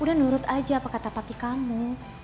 udah nurut aja apa kata paki kamu